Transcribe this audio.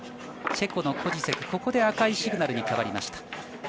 チェコのコジセク、ここで赤いシグナルに変わりました。